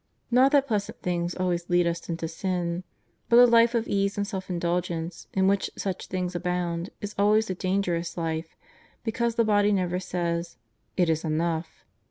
Kot that pleasant things always lead us into sin. But a life of ease and self indulgence, in which such things abound, is always a dangerous life, because the body never says :" It is enough.'